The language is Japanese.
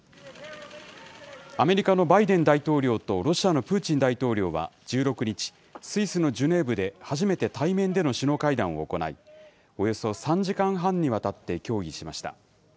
アメリカのバイデン大統領とロシアのプーチン大統領は１６日、スイスのジュネーブで初めて対面での首脳会談を行い、およそ３時間半にわたって協議しました。